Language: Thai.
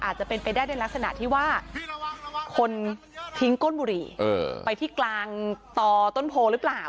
อาจจะเป็นไปได้ในลักษณะที่ว่าคนทิ้งก้นบุหรี่ไปที่กลางต่อต้นโพหรือเปล่า